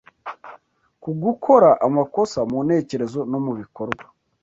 ku gukora amakosa mu ntekerezo no mu bikorwa.